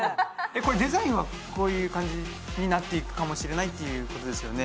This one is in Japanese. これデザインはこういう感じになっていくかもしれないっていうことですよね・